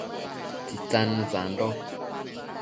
Tsitsanën sando